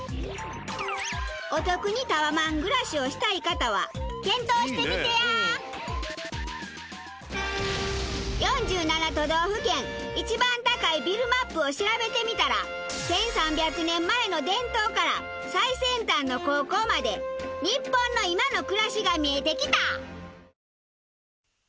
お得にタワマン暮らしをしたい方は検討してみてや！を調べてみたら１３００年前の伝統から最先端の高校まで日本の今の暮らしが見えてきた！